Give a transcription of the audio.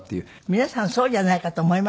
皆さんそうじゃないかと思います。